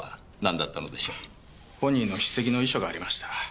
本人の筆跡の遺書がありました。